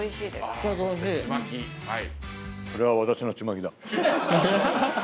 「それは私のちまきだ」